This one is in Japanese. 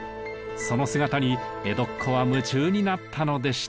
その姿に江戸っ子は夢中になったのでした。